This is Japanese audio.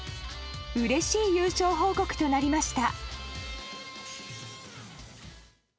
うれしい優勝報告となりました。